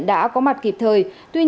đã có mặt kịp thời